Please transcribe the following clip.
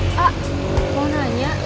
pak mau nanya